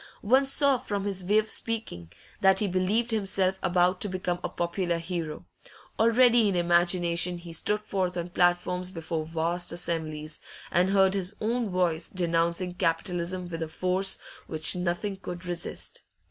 One saw from his way of speaking, that he believed himself about to become a popular hero; already in imagination he stood forth on platforms before vast assemblies, and heard his own voice denouncing capitalism with force which nothing could resist.